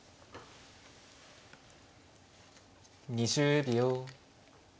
２０秒。